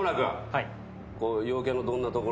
はい。